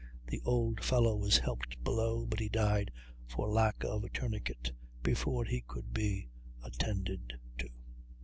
The old fellow was helped below, but he died for lack of a tourniquet, before he could be attended to.